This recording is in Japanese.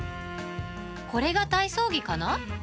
これが体操着かな？